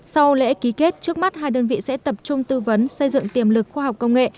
sau lễ ký kết trước mắt hai đơn vị sẽ tập trung tư vấn xây dựng tiềm lực khoa học công nghệ